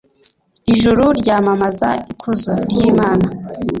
Ijuru ryamamaza ikuzo ry’Imana